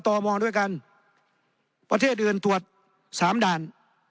ต่อมองด้วยกันประเทศอื่นตรวจ๓ด่าน